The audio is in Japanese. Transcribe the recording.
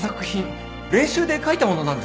練習で書いたものなんです。